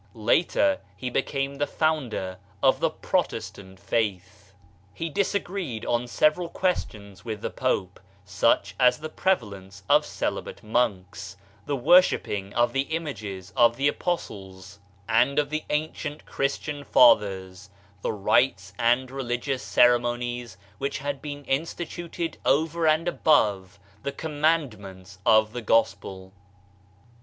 Later he became the founder of the Protestant faith. He disagreed on several questions with the Pope, such as the prevalence of celibate monks, the worshipping of the images of the Apostles and of the ancient Christian fathers, the rites and religious ceremonies which had been instituted over and above the com mandments of the Gospel.